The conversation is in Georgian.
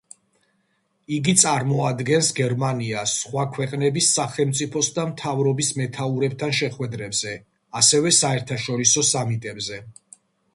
იგი წარმოადგენს გერმანიას სხვა ქვეყნების სახელმწიფოს და მთავრობის მეთაურებთან შეხვედრებზე, ასევე საერთაშორისო სამიტებზე.